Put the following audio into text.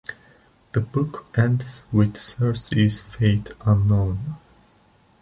The book ends with Cersei's fate unknown.